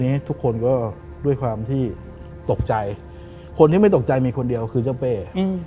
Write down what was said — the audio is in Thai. ทุกคนก็ด้วยความที่ตกใจคนที่ไม่ตกใจมีคนเดียวคือเจ้าเป้